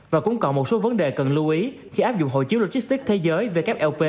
và cũng còn một số vấn đề cần lưu ý khi áp dụng hội chiếu logistics thế giới wlp